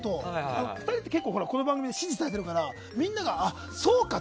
２人って結構この番組で支持されてるからみんなが、そうかと。